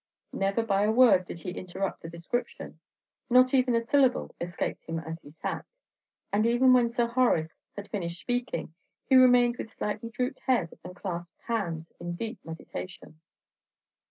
Never by a word did he interrupt the description; not even a syllable escaped him as he sat; and even when Sir Horace had finished speaking, he remained with slightly drooped head and clasped hands in deep meditation.